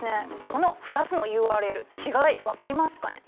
この２つのＵＲＬ違い分かりますかね。